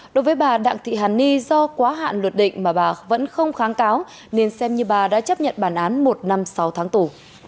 đối với bà đặng thị hàn ni do quá hạn luật định mà bà vẫn không kháng cáo nên xem như bà đã chấp nhận bản án một năm sáu tháng tù